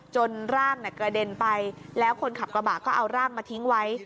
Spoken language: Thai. จนร่างกระเด็นไปแล้วคนขับกระบะก็เอาร่างมาทิ้งไว้